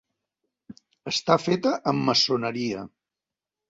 Està feta amb maçoneria.